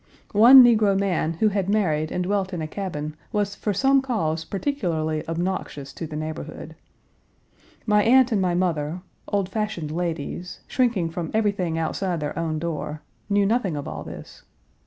One negro man who had married and dwelt in a cabin was for some cause particularly obnoxious to the neighborhood. My aunt and my mother, old fashioned ladies, shrinking from everything outside their own door, knew nothing of all this.